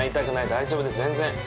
大丈夫です全然。